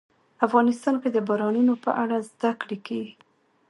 افغانستان کې د بارانونو په اړه زده کړه کېږي.